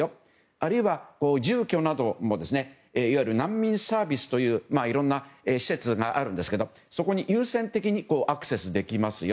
あるいは住居などもいわゆる難民サービスといういろいろな施設があるんですけどそこに優先的にアクセスできますよ。